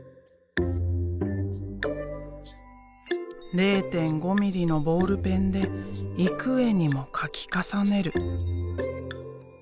０．５ミリのボールペンで幾重にも描き重ねる。